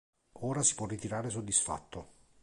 Ora si può ritirare soddisfatto.